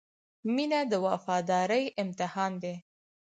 • مینه د وفادارۍ امتحان دی.